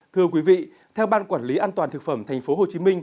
thưa quý vị theo ban quản lý an toàn thực phẩm tp hcm